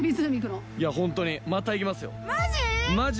いやホントにまた行きますよマジ？